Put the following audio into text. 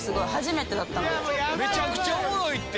めちゃくちゃおもろいって。